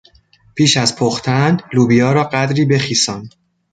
پیش از پختن لوبیا را قدری بخیسان.